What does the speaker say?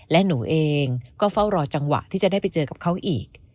และหนูเองก็เฝ้ารอจังหวะที่จะได้ไปเจอกับเขาอีก